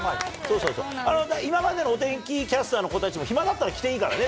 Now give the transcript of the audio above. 今までのお天気キャスターの子たちも暇だったら来ていいからね。